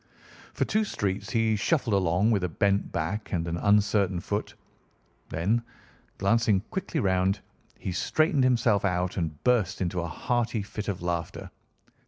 For two streets he shuffled along with a bent back and an uncertain foot. Then, glancing quickly round, he straightened himself out and burst into a hearty fit of laughter.